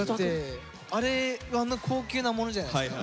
あれあんな高級なものじゃないですか。